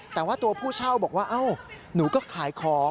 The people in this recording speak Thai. แต่ว่าตัวผู้เช่าบอกว่าเอ้าหนูก็ขายของ